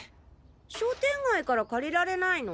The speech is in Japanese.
商店街から借りられないの？